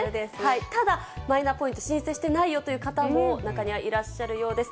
ただ、マイナポイント、申請してないよという方も、中にはいらっしゃるようです。